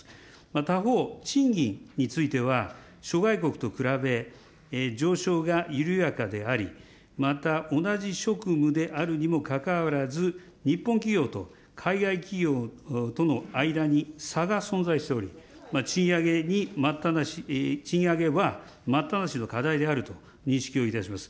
他方、賃金については、諸外国と比べ、上昇が緩やかであり、また同じ職務であるにもかかわらず、日本企業と海外企業との間に差が存在しており、賃上げに待ったなし、賃上げは待ったなしという課題であると認識をいたします。